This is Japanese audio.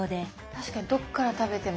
確かにどっから食べても。